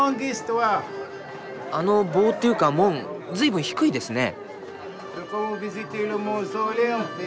あの棒というか門随分低いですね。